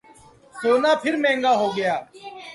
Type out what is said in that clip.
سونا پھر مہنگا ہوگیا